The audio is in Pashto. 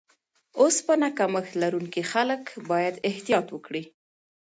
اوسپنه کمښت لرونکي خلک باید احتیاط وکړي.